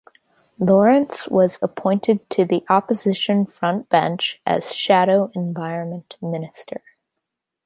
Lawrence was appointed to the Opposition frontbench as Shadow Environment Minister.